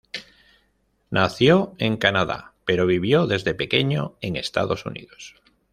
Nació en Canadá, pero vivió desde pequeño en Estados Unidos.